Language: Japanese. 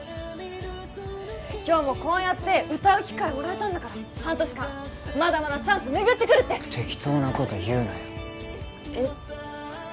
今日もこうやって歌う機会もらえたんだから半年間まだまだチャンスめぐってくるって適当なこと言うなよえっ？